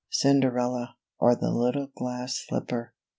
CINDERELLA, OR THE LITTLE GLASS SLIPPER.